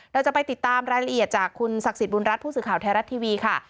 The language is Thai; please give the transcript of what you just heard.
เราจะไปติดตามรายละเอียดจากคุณศักดิ์สิทธิบุญรัฐผู้สื่อข่าวไทยรัฐทีวีค่ะ